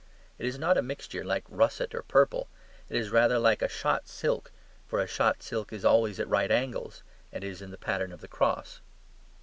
It is not a mixture like russet or purple; it is rather like a shot silk, for a shot silk is always at right angles, and is in the pattern of the cross.